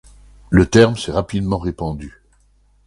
Le terme s’est rapidement répandu.